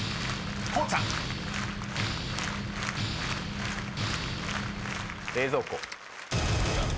［こうちゃん］冷蔵庫。